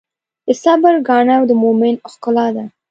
د صبر ګاڼه د مؤمن ښکلا ده.